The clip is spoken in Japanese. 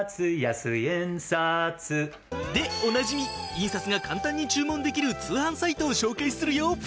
でおなじみ印刷が簡単に注文できる通販サイトを紹介するよ！